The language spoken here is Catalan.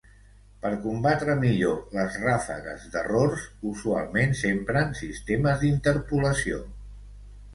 Per combatre millor les ràfegues d'errors usualment s'empren sistemes d'interpolació.